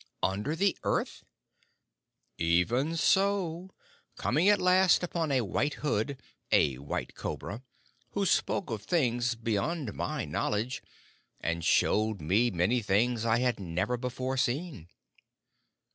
"Under the earth?" "Even so, coming at last upon a White Hood [a white cobra], who spoke of things beyond my knowledge, and showed me many things I had never before seen."